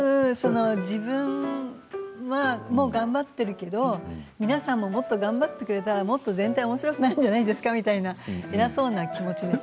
自分も頑張っているけれど皆さんももっと頑張ってくれたらもっと全体がおもしろくなるんじゃないですかみたいな偉そうな気持ち。